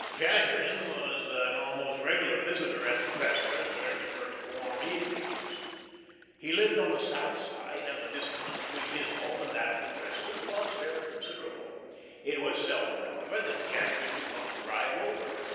Jadwin was an almost regular visitor at the Cresslers' during the first warm evenings. He lived on the South Side, and the distance between his home and that of the Cresslers was very considerable. It was seldom, however, that Jadwin did not drive over.